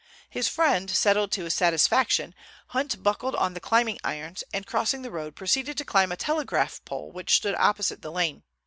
His friend settled to his satisfaction, Hunt buckled on the climbing irons, and crossing the road, proceeded to climb a telegraph pole which stood opposite the lane.